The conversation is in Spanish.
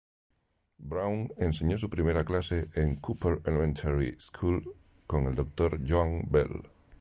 Brown enseñó su primera clase en Cooper Elementary School con el Dr. Joann Bell.